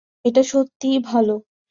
এটা সত্যিই ভালো।